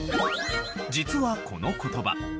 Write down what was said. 実はこの言葉